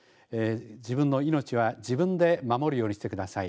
自分の命は自分で守るようにしてください。